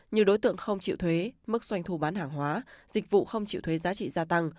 như đối tượng không chịu thuế mức doanh thu bán hàng hóa dịch vụ không chịu thuế giá trị gia tăng